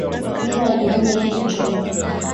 Nyumba ya jirani yachomeka